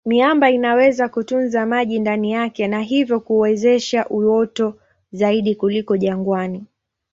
Miamba inaweza kutunza maji ndani yake na hivyo kuwezesha uoto zaidi kuliko jangwani.